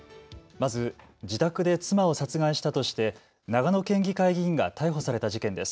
まず自宅で妻を殺害したとして長野県議会議員が逮捕された事件です。